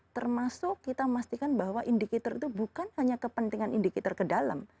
termasuk kita memastikan bahwa indikator itu bukan hanya kepentingan indikator ke dalam